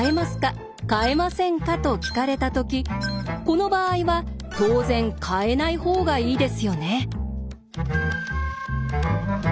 変えませんか？」と聞かれたときこの場合は当然変えない方がいいですよね？